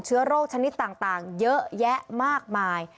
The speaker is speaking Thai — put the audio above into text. เชื้อโรคชนิดต่างเยอะแยะมากมาย